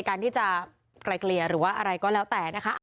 การที่จะไกลเกลี่ยหรือว่าอะไรก็แล้วแต่นะคะ